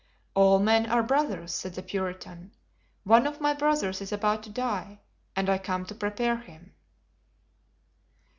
"All men are brothers," said the Puritan. "One of my brothers is about to die and I come to prepare him."